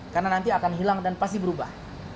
karena nanti akan hilang dan pasti berubah